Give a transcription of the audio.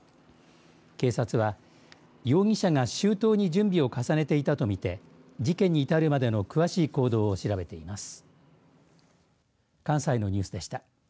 警察は容疑者が周到に準備を重ねていたと見て事件に至るまでの詳しい行動を調べています。